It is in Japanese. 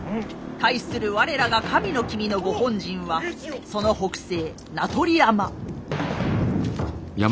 対する我らが神の君のご本陣はその北西名取山。